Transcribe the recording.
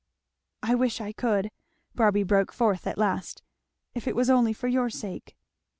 "I wish I could," Barby broke forth at last, "if it was only for your sake."